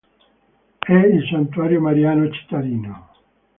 È il santuario mariano cittadino.